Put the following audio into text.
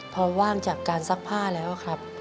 พอว่างจากการซักผ้าแล้วครับ